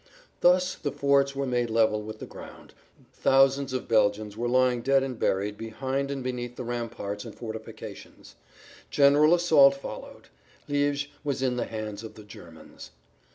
Thus the forts were made level with the ground; thousands of Belgians were lying dead and buried behind and beneath the ramparts and fortifications. General assault followed. Liège was in the hands of the Germans.